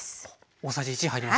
大さじ１入りました。